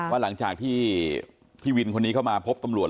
ว่าหลังจากที่พี่วินคนนี้เข้ามาพบตำรวจ